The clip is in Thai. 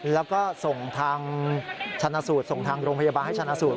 แล้วก็ส่งทางชนะสูตรส่งทางโรงพยาบาลให้ชนะสูตร